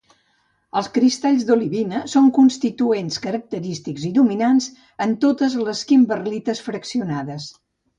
Els cristalls d’olivina són constituents característics i dominants en totes les kimberlites fraccionades.